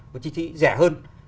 với chi phí rẻ hơn